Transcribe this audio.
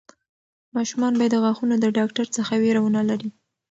ماشومان باید د غاښونو د ډاکټر څخه وېره ونه لري.